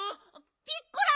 ピッコラ！